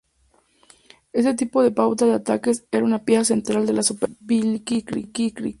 Este tipo de pauta de ataque era una pieza central en las operaciones Blitzkrieg.